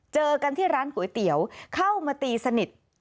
เจอกันที่ร้านก๋วยเตี๋ยวเข้ามาตีสนิท